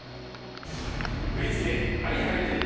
振り付けＨｉＨｉＪｅｔｓ